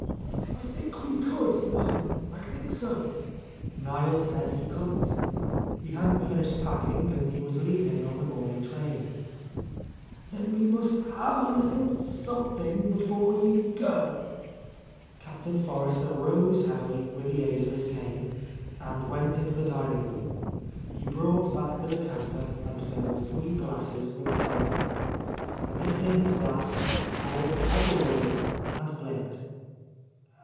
"I think we could, Niel, I think so. Don't get up, my boy. You must stay to dinner." Niel said he couldn't. He hadn't finished packing, and he was leaving on the morning train. — 99 — A Lost Lady "Then we must have a little something before you go." Captain Forrester rose heavily, with the aid of his cane, and went into the dining room. He brought back the decanter and filled three glasses with ceremony. Lifting his glass, he paused, as always, and blinked.